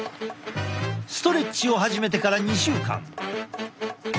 ストレッチを始めてから２週間。